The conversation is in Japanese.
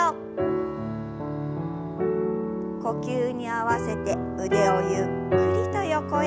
呼吸に合わせて腕をゆっくりと横へ。